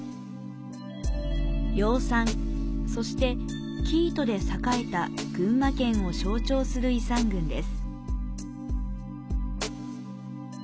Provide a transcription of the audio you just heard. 養蚕、そして生糸で栄えた群馬県を象徴する遺産群です。